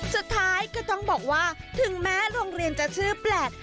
สุดท้ายก็ต้องบอกว่าถึงแม้โรงเรียนจะชื่อแปลก